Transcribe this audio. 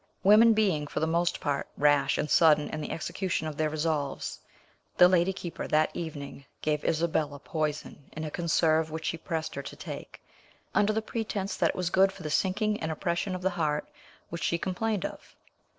Women being, for the most part, rash and sudden in the execution of their resolves, the lady keeper that evening gave Isabella poison in a conserve which she pressed her to take, under the pretence that it was good for the sinking and oppression of the heart which she complained of.